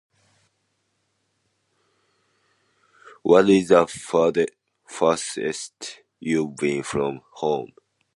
What is the farther- farthest you've been from home?